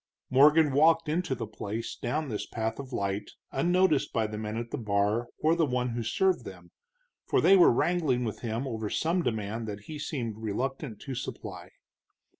Morgan walked into the place down this path of light unnoticed by the men at the bar or the one who served them, for they were wrangling with him over some demand that he seemed reluctant to supply.